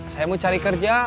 saya mau cari kerja